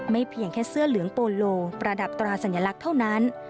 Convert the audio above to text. เพียงแค่เสื้อเหลืองโปโลประดับตราสัญลักษณ์เท่านั้น